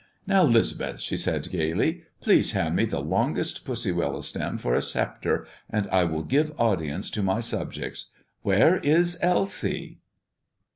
"Now, 'Lisbeth," she said gayly, "please hand me the longest pussy willow stem for a scepter, and I will give audience to my subjects. Where is Elsie?"